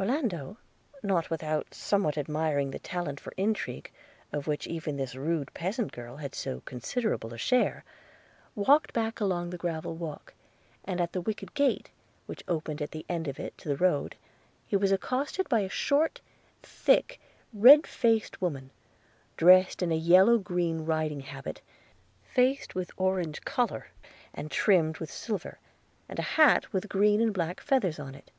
Orlando, not without somewhat admiring the talent for intrigue, of which even this rude peasant girl had so considerable a share; walked back along the gravel walk; and at the wicket gate, which opened at the end of it to the road, he was accosted by a short, thick, red faced woman, dressed in a yellow green riding habit, faced with orange colour, and trimmed with silver, and a hat with green and black feathers in it.